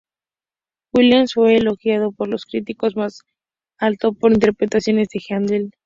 Williams fue elogiado por los críticos más alto por sus interpretaciones de Haendel.